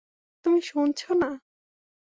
তুমি শুনছ না?